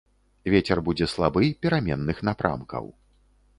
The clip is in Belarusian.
Вецер будзе слабы пераменных напрамкаў.